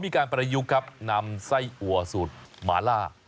มีกลิ่นหอมกว่า